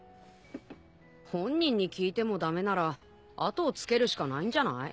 本人に聞いても駄目なら後をつけるしかないんじゃない。